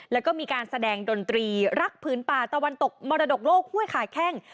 แล้วก็มีการแสดงดนตรีรักผืนป่าตะวันตกมรดกโลกห้วยขาแข้ง